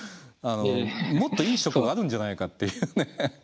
もっといい職があるんじゃないかっていうね。